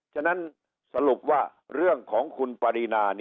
ฉะนั้นสรุปว่าเรื่องของคุณปรินา